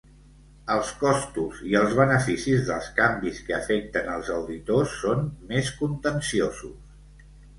Els costos i els beneficis dels canvis que afecten els auditors són més contenciosos.